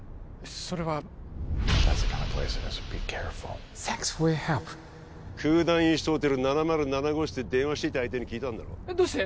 それはクーダンイーストホテル７０７号室で電話していた相手に聞いたんだろどうして？